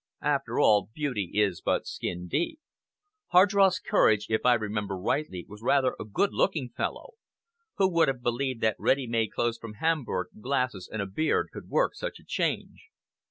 After all, beauty is but skin deep! Hardross Courage, if I remember rightly, was rather a good looking fellow. Who would have believed that ready made clothes from Hamburg, glasses and a beard could work such a change?"